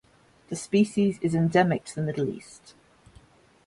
The species is endemic to the Middle East.